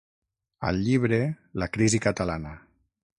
Al llibre La crisi catalana.